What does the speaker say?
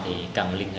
thì cần liên hệ